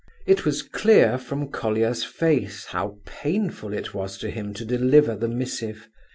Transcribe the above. It was clear from Colia's face how painful it was to him to deliver the missive.